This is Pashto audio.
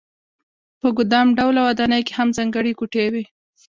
په ګدام ډوله ودانۍ کې هم ځانګړې کوټې وې.